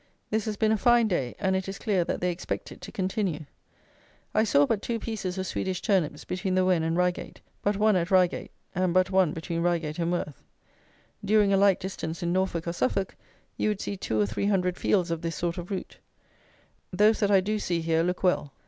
This has been a fine day; and it is clear that they expect it to continue. I saw but two pieces of Swedish turnips between the Wen and Reigate, but one at Reigate, and but one between Reigate and Worth. During a like distance in Norfolk or Suffolk, you would see two or three hundred fields of this sort of root. Those that I do see here look well.